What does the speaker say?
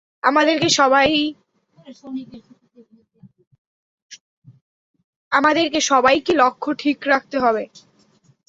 আমাদেরকে সবাইকে লক্ষ্য ঠিক রাখতে হবে।